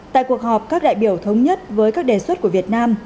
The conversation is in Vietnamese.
tại cuộc họp các đại biểu thống nhất với các đề xuất của việt nam